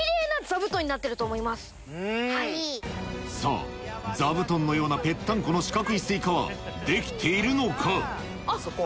さぁ座布団のようなぺったんこの四角いスイカはできているのか？